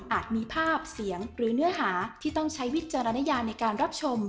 มีภาพเสียงหรือเนื้อหาที่ต้องใช้วิจารณญาในการรับชม